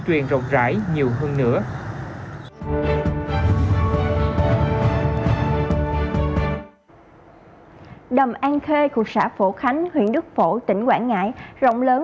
truyền rộng rãi nhiều hơn nữa đầm an khê thuộc xã phổ khánh huyện đức phổ tỉnh quảng ngãi rộng lớn